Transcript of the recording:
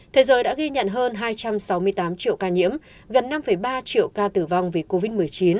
thế giới đã ghi nhận hơn hai trăm sáu mươi tám triệu ca nhiễm gần năm ba triệu ca tử vong vì covid một mươi chín